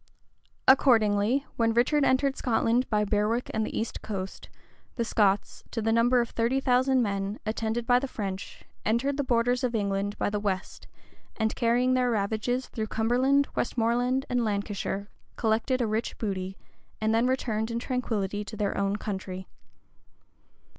Accordingly, when Richard entered Scotland by Berwick and the east coast, the Scots, to the number of thirty thousand men, attended by the French, entered the borders of England by the west, and carrying their ravages through Cumberland, Westmoreland, and Lancashire, collected a rich booty, and then returned in tranquillity to their own country.